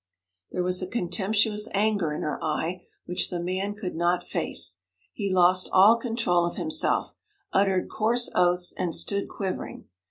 There was a contemptuous anger in her eye which the man could not face. He lost all control of himself, uttered coarse oaths, and stood quivering.